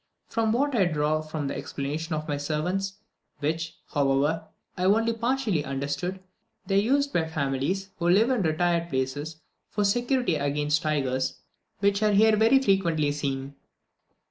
From what I could draw from the explanations of my servants, which, however, I only partially understood, they are used by families, who live in retired places, for security against the tigers, which are here very frequently seen.